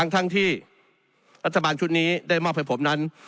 ทั้งที่รัฐบาลชุดนี้ได้มอบให้ผมนั้น